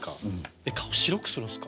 えっ顔白くするんすか？